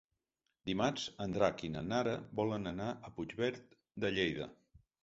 Dimarts en Drac i na Nara volen anar a Puigverd de Lleida.